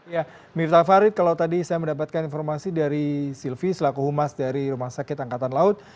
ya mirta farid kalau tadi saya mendapatkan informasi dari sylvi selaku humas dari rumah sakit angkatan laut